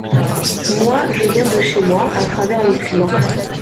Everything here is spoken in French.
Moi, je viens de chez moi, à travers les frimas.